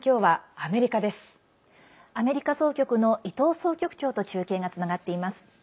アメリカ総局の伊藤総局長と中継がつながっています。